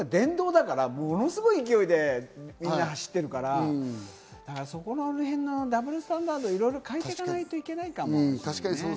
今、電動だから、ものすごい勢いでみんな走ってるから、そこらへんのダブルスタンダードを変えていかないといけないかも。